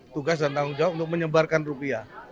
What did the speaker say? tugas dan tanggung jawab untuk menyebarkan rupiah